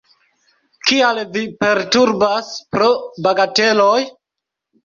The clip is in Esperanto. Kial vi perturbas pro bagateloj?